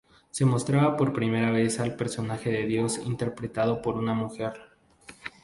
Se mostraba por primera vez al personaje de Dios interpretado por una mujer.